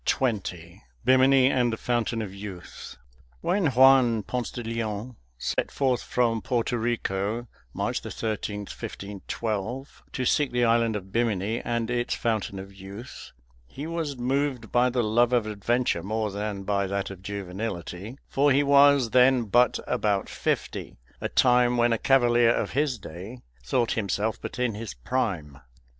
XX BIMINI AND THE FOUNTAIN OF YOUTH When Juan Ponce de Leon set forth from Porto Rico, March 13, 1512, to seek the island of Bimini and its Fountain of Youth, he was moved by the love of adventure more than by that of juvenility, for he was then but about fifty, a time when a cavalier of his day thought himself but in his prime.